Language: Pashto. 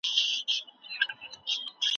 ایا په ساینسي برخو کي خپلواکي سته؟